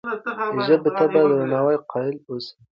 دې ژبې ته په درناوي قایل اوسئ.